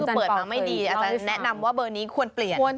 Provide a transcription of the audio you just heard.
คือเปิดมาไม่ดีอาจารย์แนะนำว่าเบอร์นี้ควรเปลี่ยน